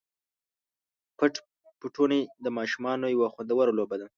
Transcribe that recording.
پټ پټوني د ماشومانو یوه خوندوره لوبه ده.